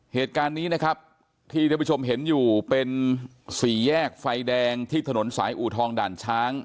เหตุการณ์นี้นะครับที่ท่านผู้ชมเห็นอยู่เป็นสี่แยกไฟแดงที่ถนนสายอูทองด่านช้าง